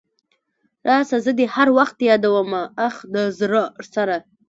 راسه زه دي هر وخت يادومه اخ د زړه سره .